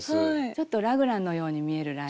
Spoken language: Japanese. ちょっとラグランのように見えるラインで。